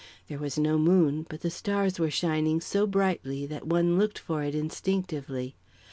There was no moon, but the stars were shining so brightly that one looked for it instinctively.